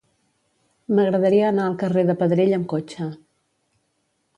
M'agradaria anar al carrer de Pedrell amb cotxe.